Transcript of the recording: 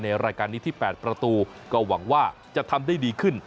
รายการนี้ที่๘ประตูก็หวังว่าจะทำได้ดีขึ้น